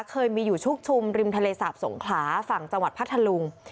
เคยมีอยู่ชุกชุมริมทะเลสาบสงขลาฝั่งจังหวัดพัทธลุง